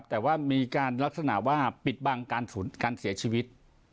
แต่ว่ามีการลักษณะว่าปิดบังการเสียชีวิต